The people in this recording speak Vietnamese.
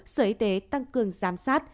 sở y tế tăng cường giám sát